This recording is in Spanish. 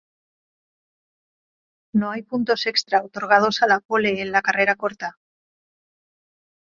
No hay puntos extras otorgados a la pole en la carrera corta.